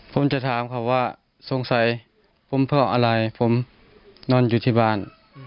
ผมเพราะอะไรผมนอนอยู่ที่บ้าน